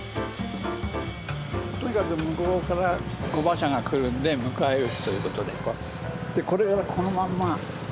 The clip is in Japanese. とにかく向こうから御馬車が来るんで迎え撃つという事でこれをこのまんま。